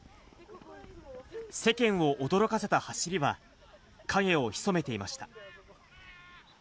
世間を驚かせた走りは影を潜めていました。